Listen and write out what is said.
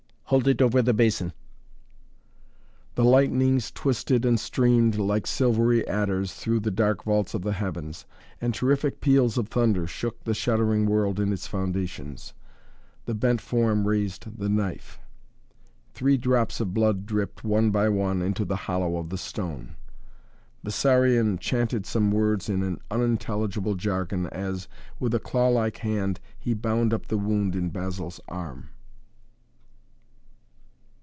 "Hold it over the basin!" The lightnings twisted and streamed like silvery adders through the dark vaults of the heavens, and terrific peals of thunder shook the shuddering world in its foundations. The bent form raised the knife. Three drops of blood dripped, one by one, into the hollow of the stone. Bessarion chanted some words in an unintelligible jargon as, with a claw like hand, he bound up the wound in Basil's arm.